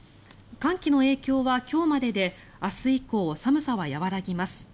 寒気の影響は今日までで明日以降、寒さは和らぎます。